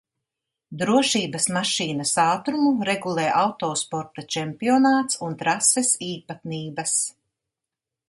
Drošības mašīnas ātrumu regulē autosporta čempionāts un trases īpatnības.